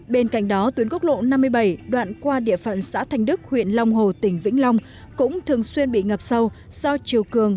bên cạnh đó tuyến quốc lộ năm mươi bảy đoạn qua địa phận xã thanh đức huyện long hồ tỉnh vĩnh long cũng thường xuyên bị ngập sâu do chiều cường